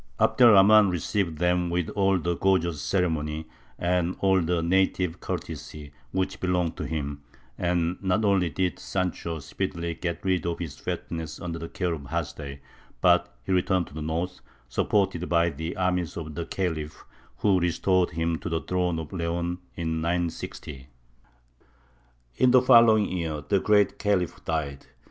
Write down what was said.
Abd er Rahmān received them with all the gorgeous ceremony and all the native courtesy which belonged to him; and not only did Sancho speedily get rid of his fatness under the care of Hasdai, but he returned to the north, supported by the armies of the Khalif, who restored him to the throne of Leon in 960. In the following year the great Khalif died.